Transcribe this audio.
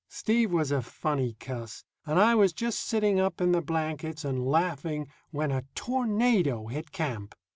Steve was a funny cuss, and I was just sitting up in the blankets and laughing when a tornado hit camp.